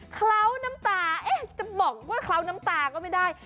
เคล้าน้ำตาจะบอกว่าเคล้าน้ำตาก็ไม่ได้